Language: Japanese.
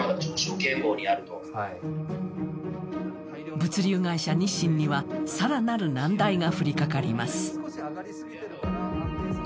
物流会社、日新には更なる難題が降りかかります。